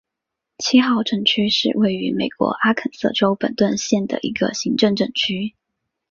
七号镇区是位于美国阿肯色州本顿县的一个行政镇区。